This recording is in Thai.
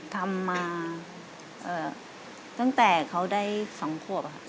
ทำมาตั้งแต่เขาได้๒ขวบค่ะ